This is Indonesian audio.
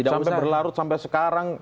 sampai berlarut sampai sekarang